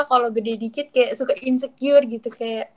kalau gede dikit kayak suka insecure gitu kayak